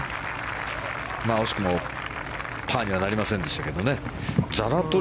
惜しくもパーにはなりませんでしたけどね。